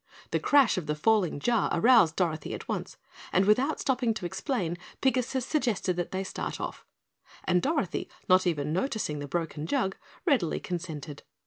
The crash of the falling jar aroused Dorothy at once, and without stopping to explain, Pigasus suggested that they start off, and Dorothy, not even noticing the broken jug, readily consented.